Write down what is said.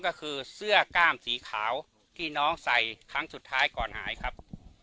ก็คือเสื้อกล้ามสีขาวที่น้องใส่ครั้งสุดท้ายก่อนหายครับ